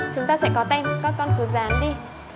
chúng ta sẽ có tem các con cố gắng đi